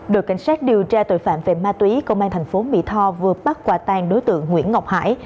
đội cảnh sát điều tra tội phạm về ma túy công an thành phố mỹ tho vừa bắt quả tàng đối tượng nguyễn ngọc hải